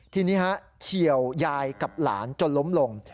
ทีนี้เฉียวยายกับหลานจนล้มลง